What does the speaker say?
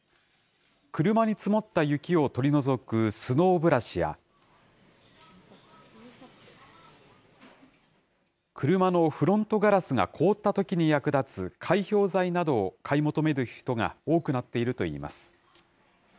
車に積もった雪を取り除くスノーブラシや、車のフロントガラスが凍ったときに役立つ解氷剤などを買い求める人が多くなっているといいます。